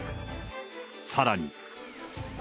さらに。